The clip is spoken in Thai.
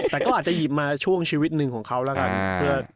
แต่ก็อาจจะหยิบมาช่วงชีวิตหนึ่งของเขาแล้วกัน